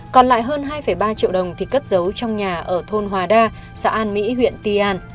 còn lại hơn hai ba triệu đồng thì cất giấu trong nhà ở thôn hòa đa xã an mỹ huyện ti an